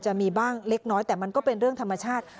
จะมีบ้างเล็กน้อยแต่มันก็เป็นเรื่องธรรมชาติ